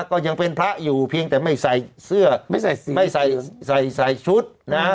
ก็ยังเป็นพระอยู่เพียงแต่ไม่ใส่เสื้อไม่ใส่ชุดนะ